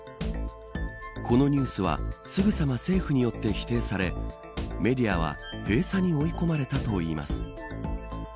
このニュースはすぐさま政府によって否定されメディアは閉鎖に追い込まれたといいます。